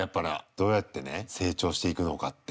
どうやってね成長していくのかって。